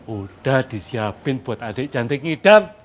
udah disiapin buat adik cantik idar